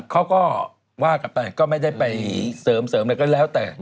เขาก็ว่ากลับไปก็ไม่ได้ไปเสริมอะไรก็แล้วแต่